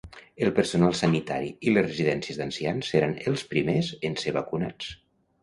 El personal sanitari i les residències d'ancians seran els primers en ser vacunats.